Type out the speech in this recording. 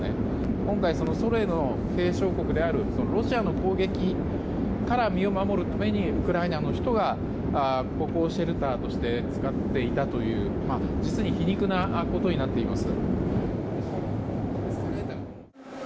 本来ソ連の継承国であるロシアの攻撃から身を守るためにウクライナの人が防空シェルターとして使っていたという実に皮肉なことになっています。